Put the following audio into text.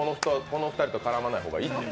この２人と絡まない方がいいって。